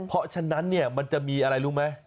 เพราะฉะนั้นมันจะมีอะไรรู้ไหม